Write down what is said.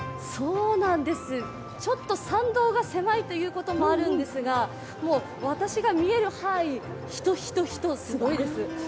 ちょっと参道が狭いということもあるんですが私が見える範囲、人・人・人、すごいです。